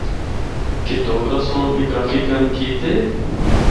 کہ ڈوگرہ سنڑ بھی کافی کم کیتے۔